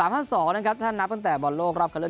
๓๕๒ท่านนับตั้งแต่บอลโลกรอบคันเลือก